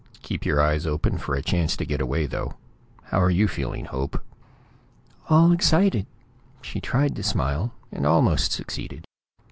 Keep your eyes open for a chance to get away, though. How are you feeling, Hope?" "All excited!" She tried to smile, and almost succeeded.